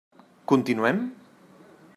Continuem?